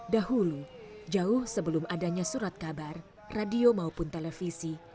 dahulu jauh sebelum adanya surat kabar radio maupun televisi